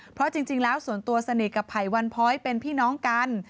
เพราะจริงแล้วส่วนตัวสนิทกับไผ่วันพ้อยเป็นพี่น้องกัน